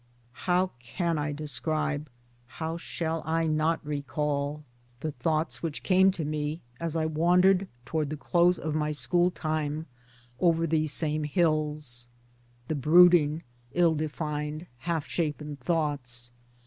How can I describe, how. shall I not recall, the 28 MY DAYS AND DREAMS thoughts which came to me as I wandered, towards the close of my school time, over these same hills the brooding ill defined, half shapen thoughts?